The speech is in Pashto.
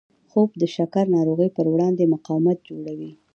خوب د شکر ناروغۍ پر وړاندې مقاومت جوړوي